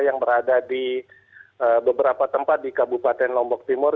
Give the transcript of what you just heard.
yang berada di beberapa tempat di kabupaten lombok timur